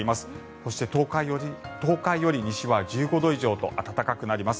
そして、東海より西は１５度以上と暖かくなります。